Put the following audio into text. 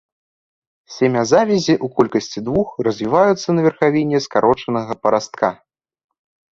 Семязавязі ў колькасці двух развіваюцца на верхавіне скарочанага парастка.